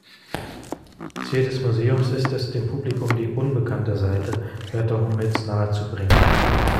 Ziel des Museums ist es, dem Publikum die „unbekannte“ Seite Berta Hummels nahezubringen.